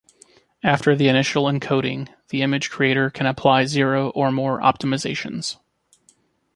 After the initial encoding, the image creator can apply zero or more optimizations.